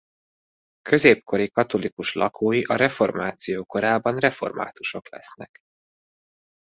Középkori katolikus lakói a reformáció korában reformátusok lesznek.